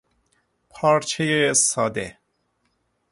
پارچهی ساده